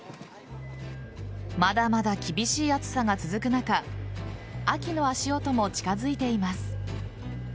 まだまだ厳しい暑さが続く中秋の足音も近づいています。